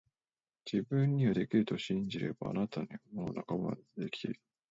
自分にはできると信じれば、あなたはもう道半ばまで来ている～セオドア・ルーズベルト～